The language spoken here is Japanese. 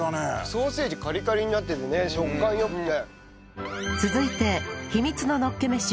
ソーセージカリカリになっててね食感良くて。